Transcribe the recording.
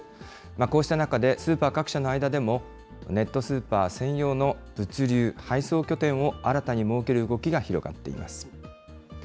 こうした中で、スーパー各社の間でもネットスーパー専用の物流・配送拠点を新たに設ける動きが広がっています。